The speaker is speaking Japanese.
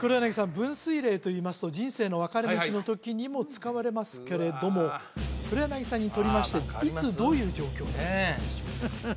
分水嶺といいますと人生の分かれ道のときにも使われますけれども黒柳さんにとりましていつどういう状況だったんでしょう？